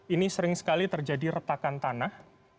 ini sering sekali terjadi retakan tanah